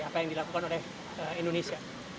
apa yang dilakukan oleh indonesia